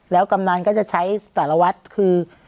แล้วกำนันก็จะใช้สารวัตรคือ